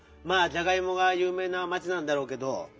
まあじゃがいもがゆう名な町なんだろうけど。